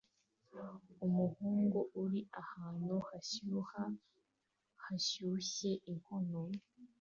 Umuhungu uri ahantu hashyuha hashyushye inkono